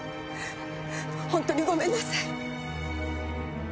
本当にごめんなさい！